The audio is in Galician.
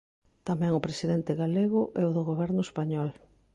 Tamén o presidente galego e o do Goberno español.